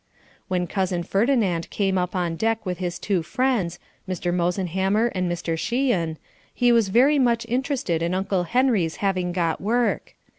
When Cousin Ferdinand came up on deck with his two friends, Mr. Mosenhammer and Mr. Sheehan, he was very much interested in Uncle Henry's having got work.